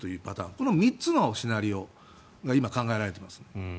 この３つのシナリオが今、考えられています。